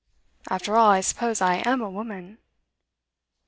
'After all, I suppose I am a woman?